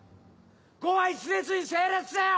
伍は一列に整列せよ！